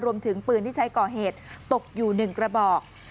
รวมถึงปืนที่ใช้ก่อเหตุตกอยู่๑กระบอก